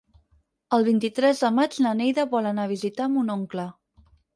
El vint-i-tres de maig na Neida vol anar a visitar mon oncle.